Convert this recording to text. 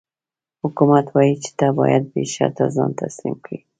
حکومت وايي چې ته باید بې شرطه ځان تسلیم کړې.